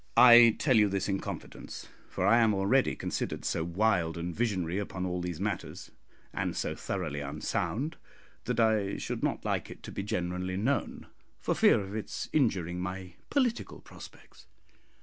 I tell you this in confidence, for I am already considered so wild and visionary upon all these matters, and so thoroughly unsound, that I should not like it to be generally known, for fear of its injuring my political prospects.